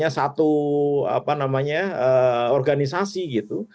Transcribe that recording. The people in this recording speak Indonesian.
dimiliki oleh satu organisasi gitu